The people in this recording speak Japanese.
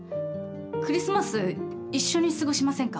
クリスマス一緒に過ごしませんか？